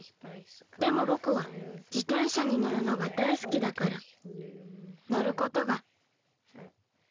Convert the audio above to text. でもぼくはじてんしゃにのるのがだいすきだからのることができるんだ。